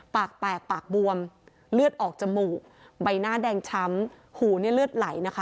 ปากแตกปากบวมเลือดออกจมูกใบหน้าแดงช้ำหูเนี่ยเลือดไหลนะคะ